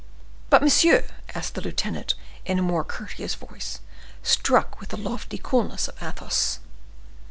"But, monsieur—" asked the lieutenant, in a more courteous voice, struck with the lofty coolness of Athos.